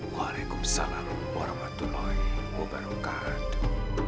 waalaikumsalam warahmatullahi wabarakatuh